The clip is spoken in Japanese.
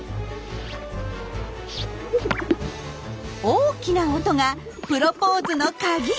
大きな音がプロポーズのカギ。